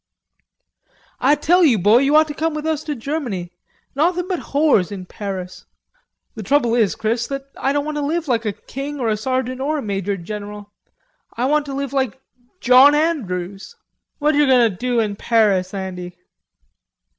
"Ah tell you, boy, you ought to come with us to Germany... nauthin' but whores in Paris." "The trouble is, Chris, that I don't want to live like a king, or a sergeant or a major general.... I want to live like John Andrews." "What yer goin' to do in Paris, Andy?"